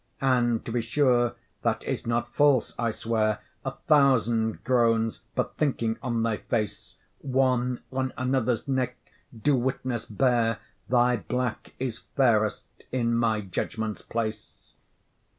And to be sure that is not false I swear, A thousand groans, but thinking on thy face, One on another's neck, do witness bear Thy black is fairest in my judgment's place.